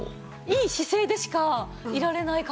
いい姿勢でしかいられない感じ。